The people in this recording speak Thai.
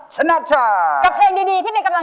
ช่วยฝังดินหรือกว่า